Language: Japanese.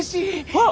あっ！